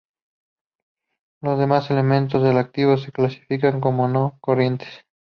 Los demás elementos del activo se clasificarán como no corrientes.